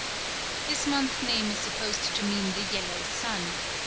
_ This month name is supposed to mean "the yellow sun."